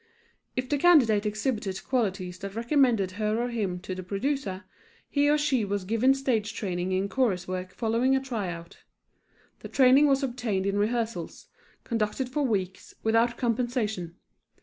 If the candidate exhibited qualities that recommended her or him to the producer, he or she was given a stage training in chorus work following a tryout. The training was obtained in rehearsals, conducted for weeks, without compensation.